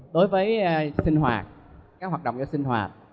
đối với các hoạt động sinh hoạt